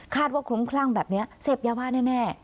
ว่าคลุ้มคลั่งแบบนี้เสพยาบ้าแน่